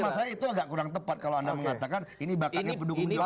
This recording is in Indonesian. bahasa itu bahasa itu agak kurang tepat kalau anda mengatakan ini bakatnya pendukung jokowi